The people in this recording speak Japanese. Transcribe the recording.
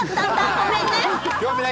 ごめんね！